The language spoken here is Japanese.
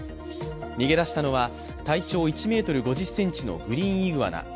逃げ出したのは体長１ｍ５０ｃｍのグリーンイグアナ。